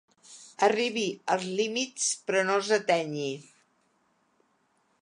Arribi als límits però no els atenyi.